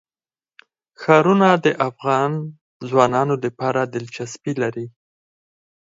ښارونه د افغان ځوانانو لپاره دلچسپي لري.